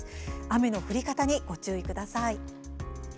雨の降り方にご注意ください。